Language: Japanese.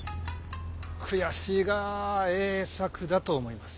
悔しいがええ策だと思います。